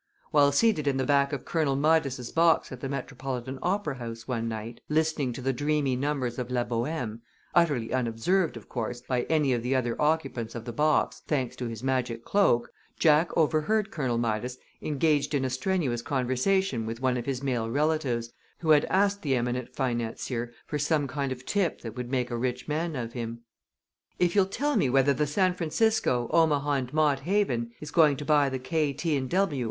While seated in the back of Colonel Midas's box at the Metropolitan Opera House one night, listening to the dreamy numbers of "La Bohème," utterly unobserved, of course, by any of the other occupants of the box, thanks to his magic cloak, Jack overheard Colonel Midas engaged in a strenuous conversation with one of his male relatives, who had asked the eminent financier for some kind of a tip that would make a rich man of him. "If you'll tell me whether the San Francisco, Omaha & Mott Haven is going to buy the K., T. & W.